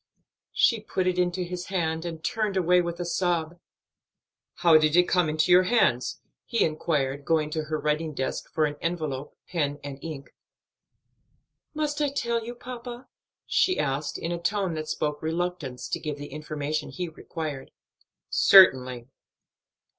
She put it into his hand and turned away with a sob. "How did it come into your hands?" he inquired, going to her writing desk for an envelope, pen and ink. "Must I tell you, papa?" she asked; in a tone that spoke reluctance to give the information he required. "Certainly."